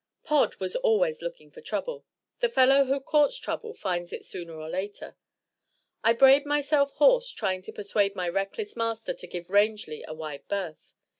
_ Pod was always looking for trouble. The fellow who courts trouble finds it sooner or later. I brayed myself hoarse trying to persuade my reckless master to give Rangely a wide berth.